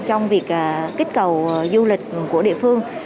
trong việc kích cậu du lịch của địa phương